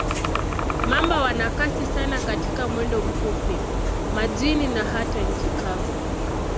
Mamba wana kasi sana katika mwendo mfupi, majini na hata nchi kavu.